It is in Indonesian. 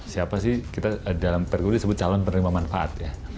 siapa sih kita dalam pergub disebut calon penerima manfaat ya